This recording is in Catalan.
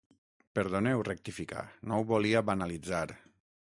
Perdoneu —rectifica—, no ho volia banalitzar.